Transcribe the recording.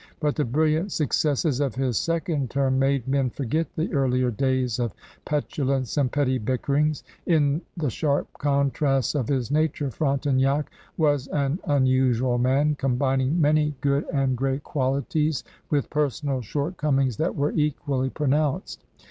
But the brilliant suc cesses of his second term made men forget the earlier days of petulance and petty bickerings. In the sharp contrasts of his nature Frontenac was an imusual man, combining many good and J THE IRON GOVERNOR 99 great qualities with personal shortcomings tl^at were equafly pronoimced.